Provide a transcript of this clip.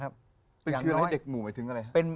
คือไอ้เด็กหมู่หมายถึงอะไรครับ